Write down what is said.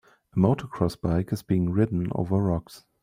A motocross bike is being ridden over rocks